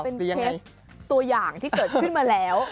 เป็นเคสตัวอย่างที่เกิดขึ้นมาแล้ว